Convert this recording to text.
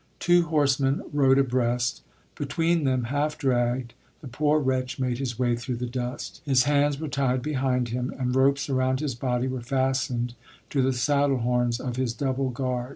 Two horsemen rode abreast; between them, half dragged, the poor wretch made his way through the dust. His hands were tied behind him, and ropes around his body were fastened to the saddle horns of his double guard.